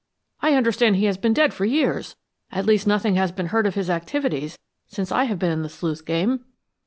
I understand he has been dead for years at least nothing has been heard of his activities since I have been in the sleuth game."